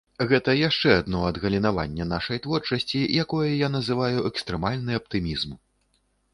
Гэта яшчэ адно адгалінаванне нашай творчасці, якое я называю экстрэмальны аптымізм.